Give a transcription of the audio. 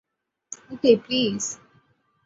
Okay, please.